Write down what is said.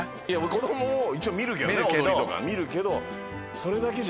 子供を一応見るけどね踊りとか見るけど。